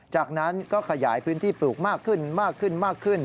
จากนั้นก็ขยายพื้นที่ปลูกมากขึ้น